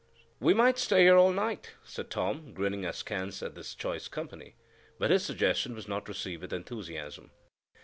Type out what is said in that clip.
"We might stay here all night," said Tom, grinning askance at this choice company; but his suggestion was not received with enthusiasm.